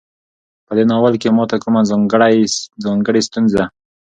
په دې ناول کې ماته کومه ځانګړۍ ستونزه